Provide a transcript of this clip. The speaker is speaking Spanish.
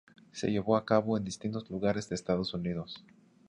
Se llevó a cabo en distintos lugares de Estados Unidos.